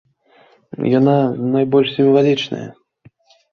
Яна найбольшая і сімвалічная.